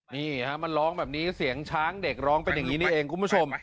นี่ฮะมันร้องแบบนี้เสียงช้างเด็กร้องเป็นอย่างนี้นี่เองคุณผู้ชม